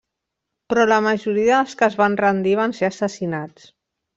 Però la majoria dels que es van rendir van ser assassinats.